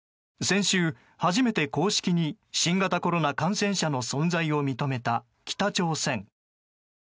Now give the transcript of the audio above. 先週、初めて公式に新型コロナ感染者の存在を認めた北朝鮮。